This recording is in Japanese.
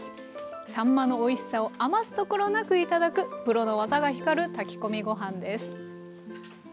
さんまのおいしさを余すところなく頂くプロの技が光る炊き込みご飯です。